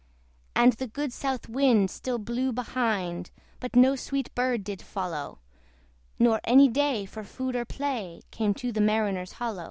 And the good south wind still blew behind But no sweet bird did follow, Nor any day for food or play Came to the mariners' hollo!